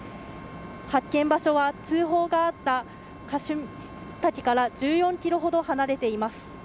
発見場所は通報があったカシュニの滝から１４キロほど離れています。